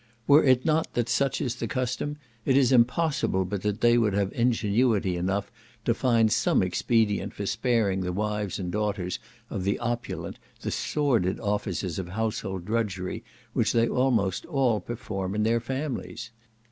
Were it not that such is the custom, it is impossible but that they would have ingenuity enough to find some expedient for sparing the wives and daughters of the opulent the sordid offices of household drudgery which they almost all perform in their families.